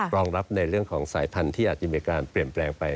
รองรับในเรื่องของสายพันธุ์ที่อาจจะมีการเปลี่ยนแปลงไป